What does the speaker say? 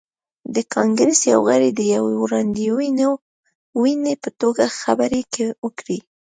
د کانګریس یو غړي د یوې وړاندوینې په توګه خبرې وکړې.